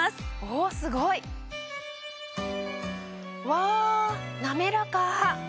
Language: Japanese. おすごい！わなめらか！